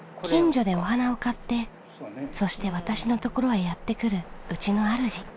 近所でお花を買ってそして私のところへやってくるうちのあるじ。